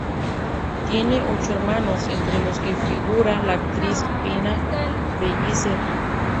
Tiene ocho hermanos, entre los que figura la actriz Pina Pellicer.